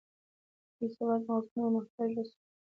بې سواده مغزونه او محتاج لاسونه.